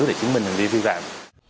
để chứng minh rằng đi viên vạn